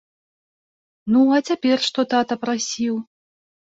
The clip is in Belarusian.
Ну, а цяпер, што тата прасіў?